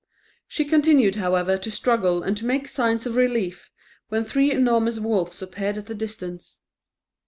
She continued, however, to struggle and to make signs for relief, when three enormous wolves appeared at a distance.